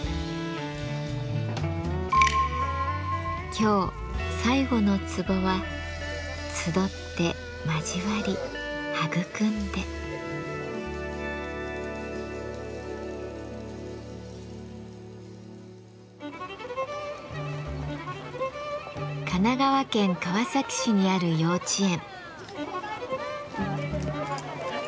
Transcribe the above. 今日最後のツボは神奈川県川崎市にある幼稚園。